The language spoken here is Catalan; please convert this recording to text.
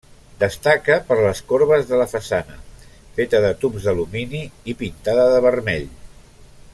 Destaca per les corbes de la façana, feta de tubs d'alumini i pintada de vermell.